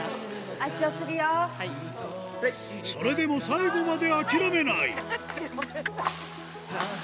それでも最後まで諦めないハハハハ！